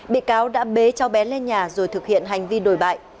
bị cáo đã bế cháu bé lên nhà rồi thực hiện hành vi đổi bại